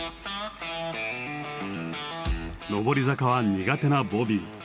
上り坂は苦手なボビー。